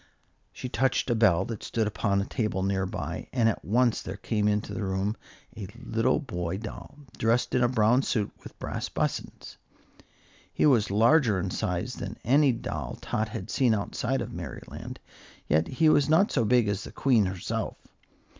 She touched a bell that stood upon a table near by, and at once there came into the room a little boy doll, dressed in a brown suit with brass buttons. He was larger in size than any doll Tot had seen outside of Merryland, yet he was not so big as the Queen herself.